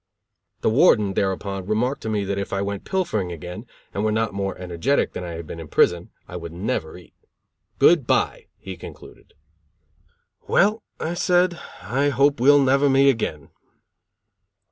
The Warden, thereupon, remarked to me that if I went pilfering again and were not more energetic than I had been in prison, I would never eat. "Goodbye," he concluded. "Well," I said, "I hope we'll never meet again."